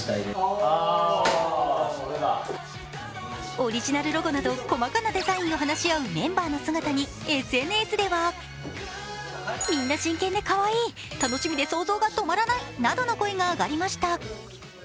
オリジナルロゴなど細かなデザインを話し合うメンバーの姿にＳＮＳではなどの声が上がりました。